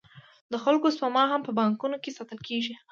د خلکو سپما هم په بانکونو کې ساتل کېږي